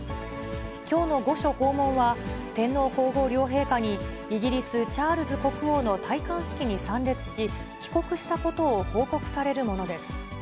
きょうの御所訪問は、天皇皇后両陛下に、イギリス・チャールズ国王の戴冠式に参列し、帰国したことを報告されるものです。